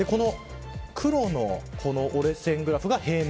黒の折れ線グラフが平年